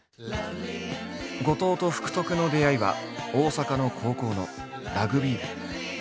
後藤と福徳の出会いは大阪の高校のラグビー部。